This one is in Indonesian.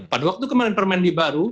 pada waktu kemarin permendi baru